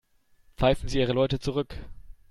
Pfeifen Sie Ihre Leute zurück.